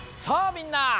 さあみんな！